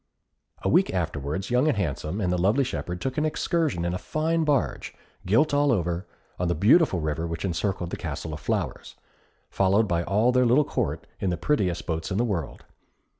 A week afterwards, Young and Handsome and the lovely shepherd took an excursion in a fine barge, gilt all over, on the beautiful river which encircled the Castle of Flowers, followed by all their little Court in the prettiest boats in the world.